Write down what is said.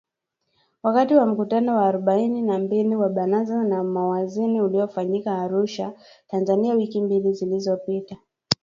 Wakati wa mkutano wa arobaini na mbili wa Baraza la Mawaziri uliofanyika Arusha, Tanzania wiki mbili zilizopita,